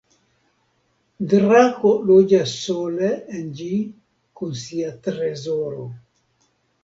Drako loĝas sole en ĝi kun sia trezoro.